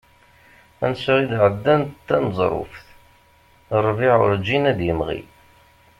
Ansa i d-ɛeddan d taneẓruft, rrbiɛ urǧin ad d-yemɣi.